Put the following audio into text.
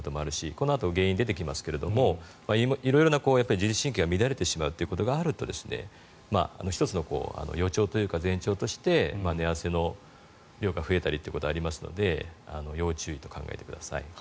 このあと、原因が出てきますが色々な、自律神経が乱れてしまうことがあると１つの予兆というか前兆として寝汗の量が増えたりということがありますので要注意と考えてください。